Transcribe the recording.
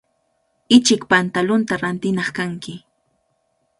Ichik pantalunta rantinaq kanki.